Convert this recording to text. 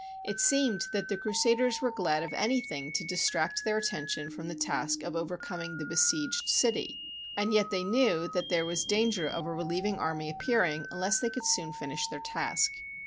It seemed that the Cru saders were glad of anything to distract their at tention from the task of overcoming the besieged city; and yet they knew that there was danger of a relieving army appearing unless they could soon finish their task.